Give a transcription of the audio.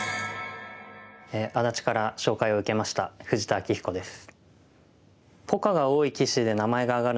安達から紹介を受けました富士田明彦です。